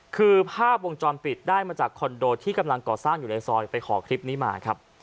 คือภาพวงจรปิดได้มาจากคอนโดที่กำลังก่อสร้างอยู่ในซอยไปขอคลิปนี้มาครับ